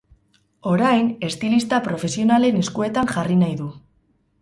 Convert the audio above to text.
Orain, estilista profesionalen eskuetan jarri nahi du.